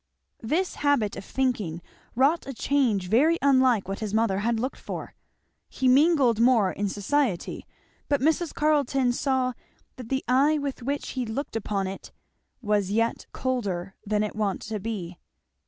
This habit of thinking wrought a change very unlike what his mother had looked for. He mingled more in society, but Mrs. Carleton saw that the eye with which he looked upon it was yet colder than it wont to be.